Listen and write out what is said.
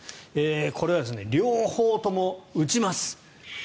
これは両方とも打ちます。